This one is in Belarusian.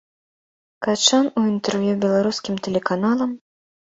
Качан у інтэрв'ю беларускім тэлеканалам.